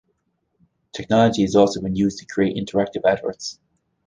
Technology has also been used to create interactive adverts.